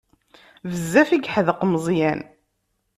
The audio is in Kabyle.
Bezzaf i yeḥdeq Meẓyan.